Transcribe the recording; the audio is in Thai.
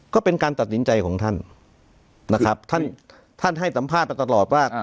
ก็เป็นการตัดสินใจของท่านนะครับท่านท่านให้สัมภาษณ์มาตลอดว่า